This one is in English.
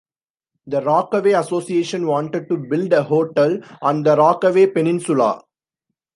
The Rockaway Association wanted to build a hotel on the Rockaway peninsula.